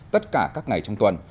tất cả các ngày trong tuần